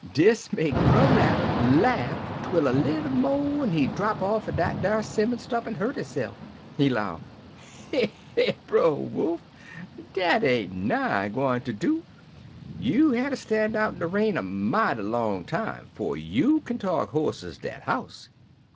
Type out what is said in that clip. "Dis make Brer Rabbit laugh twel a little mo' en he'd a drapt off'n dat ar 'simmon stump en hurt hisse'f. "He 'low, 'Eh eh, Brer Wolf! dat ain't nigh gwine ter do. You'll hatter stan' out in de rain a mighty long time 'fo' you kin talk hoarse ez dat house!'